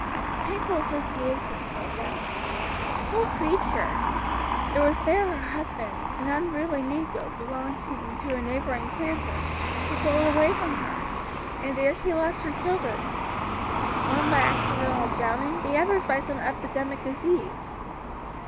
"Painful associations, no doubt. Poor creature! it was there her husband an unruly negro belonging to a neighboring planter was sold away from her, and there she lost her children, one by accidental drowning, the others by some epidemic disease.